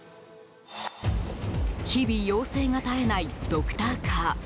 日々、要請が絶えないドクターカー。